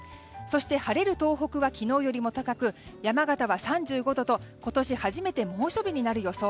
そして晴れる東北は昨日よりも高く山形は３５度と今年初めて猛暑日になる予想。